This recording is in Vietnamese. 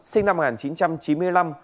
sinh năm một nghìn chín trăm chín mươi năm